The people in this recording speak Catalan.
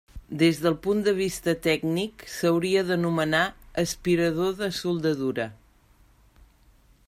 Des del punt de vista tècnic, s'hauria d'anomenar aspirador de soldadura.